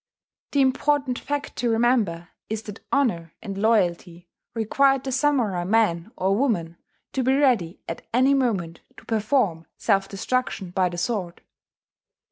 The important fact to remember is that honour and loyalty required the samurai man or woman to be ready at any moment to perform self destruction by the sword.